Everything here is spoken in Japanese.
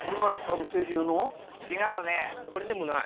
これでもない。